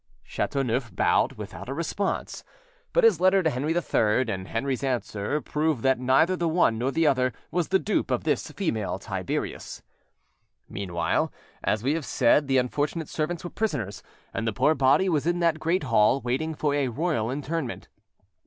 Chateauneuf bowed without a response; but his letter to Henry III and Henry's answer prove that neither the one nor the other was the dupe of this female Tiberius. Meanwhile, as we have said, the unfortunate servants were prisoners, and the poor body was in that great hall waiting for a royal interment.